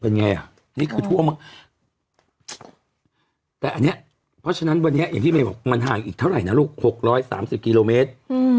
เป็นไงอ่ะนี่คือท่วมมากแต่อันนี้เพราะฉะนั้นวันนี้อย่างที่เมย์บอกมันห่างอีกเท่าไหร่นะลูก๖๓๐กิโลเมตร